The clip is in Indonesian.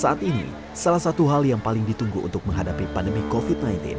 saat ini salah satu hal yang paling ditunggu untuk menghadapi pandemi covid sembilan belas